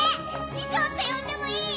師匠って呼んでもいい？